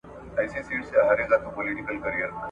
په بېغمه یې د تور دانې خوړلې !.